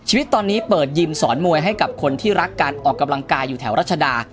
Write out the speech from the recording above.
ชีวิตตอนนี้เปิดยิมสอนมวยให้กับคนที่รักการออกกำลังกายอยู่แถวรัชดา